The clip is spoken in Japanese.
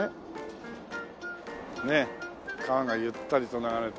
ねっ川がゆったりと流れて。